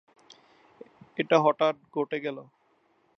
এটা হঠাৎ ঘটে গেল।